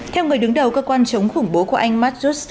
theo người đứng đầu cơ quan chống khủng bố của anh matt just